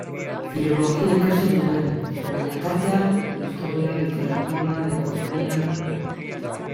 Filologia ikasi nuen, baina, tartean, historia, literatura, ekonomia...